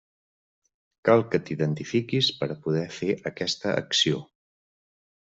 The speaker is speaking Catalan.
Cal que t'identifiquis per a poder fer aquesta acció.